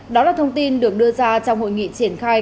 đó là thông tin được đưa ra trong hội nghị triển khai